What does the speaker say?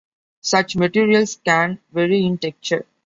Such materials can vary in texture.